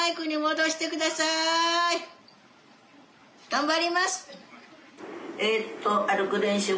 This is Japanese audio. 頑張ります。